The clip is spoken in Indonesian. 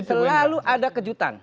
selalu ada kejutan